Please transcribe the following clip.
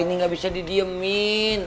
ini gak bisa didiemin